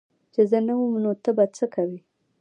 چي زه نه وم نو ته به څه کوي